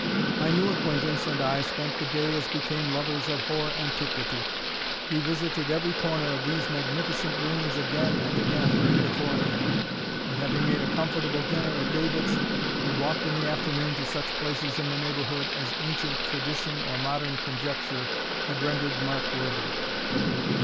My new acquaintance and I spent the day as became lovers of hoar antiquity. We visited every corner of these magnificent ruins again and again during the forenoon; and, having made a comfortable dinner at David's, we walked in the afternoon to such places in the neighbourhood as ancient tradition or modern conjecture had rendered mark worthy.